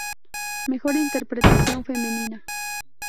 Mejor Interpretación Femenina.